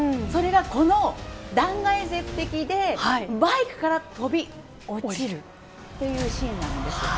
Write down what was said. この断崖絶壁でバイクから飛び落ちるというシーンなんですよね。